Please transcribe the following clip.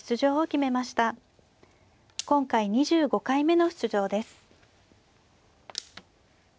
今回２５回目の出場です。